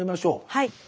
はい。